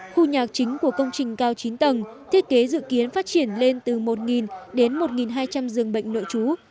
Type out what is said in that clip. khu nhà chính của công trình cao chín tầng thiết kế dự kiến phát triển lên từ một đến một hai trăm linh giường bệnh nội trú